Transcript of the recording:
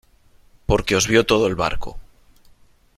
porque os vio todo el barco .